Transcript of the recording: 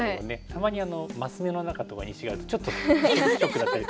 たまに升目の中とかに石があるとちょっとショックだったり。